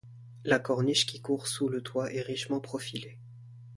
La corniche qui court sous le toit est richement profilée.